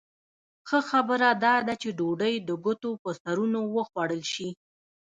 ښه خبره دا ده چې ډوډۍ د ګوتو په سرونو وخوړل شي.